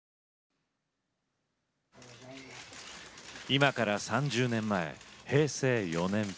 今から３０年前平成４年。